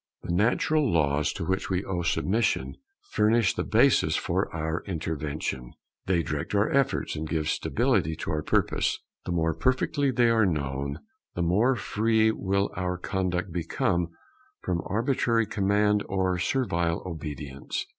The natural laws to which we owe submission furnish the basis for our intervention; they direct our efforts and give stability to our purpose. The more perfectly they are known, the more free will our conduct become from arbitrary command or servile obedience.